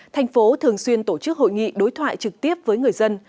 thành phố thường xuyên tổ chức hội nghị đối thoại trực tiếp với người dân